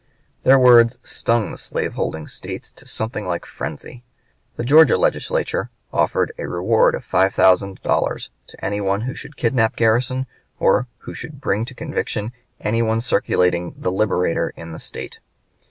Their words stung the slave holding States to something like frenzy. The Georgia Legislature offered a reward of five thousand dollars to any one who should kidnap Garrison, or who should bring to conviction any one circulating the "Liberator" in the State.